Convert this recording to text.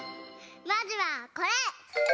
まずはこれ！